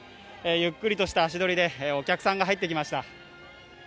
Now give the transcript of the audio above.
ゆっくりとした足取りでお客さんが入っていきました。